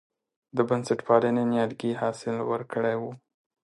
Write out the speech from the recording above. د بنسټپالنې نیالګي حاصل ورکړی و.